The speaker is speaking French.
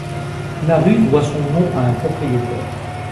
La rue doit son nom à un propriétaire.